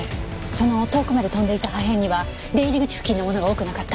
その遠くまで飛んでいた破片には出入り口付近のものが多くなかった？